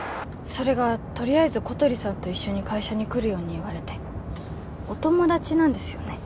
それがとりあえず小鳥さんと一緒に会社に来るように言われてお友達なんですよね？